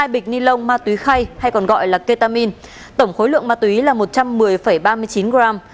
hai bịch nilon ma túy khay hay còn gọi là ketamin tổng khối lượng ma túy là một trăm một mươi ba mươi chín gram